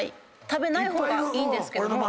食べない方がいいんですけども。